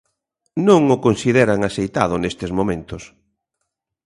Non o consideran axeitado nestes momentos.